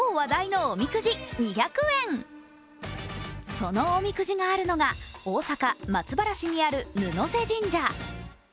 そのおみくじがあるのが大阪・松原市にある布忍神社。